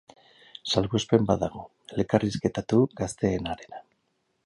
Salbuespen bat dago, elkarrizketatu gazteenarena.